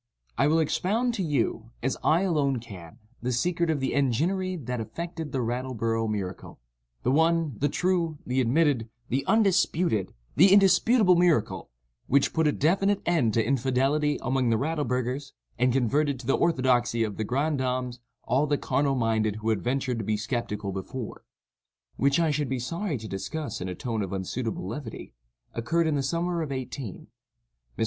I will expound to you—as I alone can—the secret of the enginery that effected the Rattleborough miracle—the one, the true, the admitted, the undisputed, the indisputable miracle, which put a definite end to infidelity among the Rattleburghers and converted to the orthodoxy of the grandames all the carnal minded who had ventured to be sceptical before. This event—which I should be sorry to discuss in a tone of unsuitable levity—occurred in the summer of 18—. Mr.